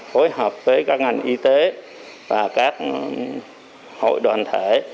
phối hợp với các ngành y tế và các hội đoàn thể